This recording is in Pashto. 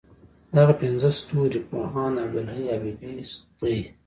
دغه پنځه ستوري پوهاند عبدالحی حبیبي دی.